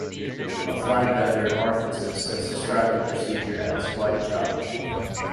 A flag vendor in Arkansas has described the procedure as "quite a challenge".